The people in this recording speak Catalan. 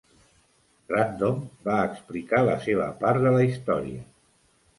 Random va explicar la seva part de la història.